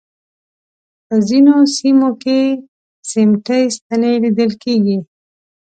په ځینو سیمو کې سیمټي ستنې لیدل کېږي.